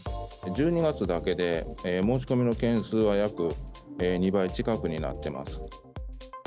１２月だけで申し込みの件数が約２倍近くになってます。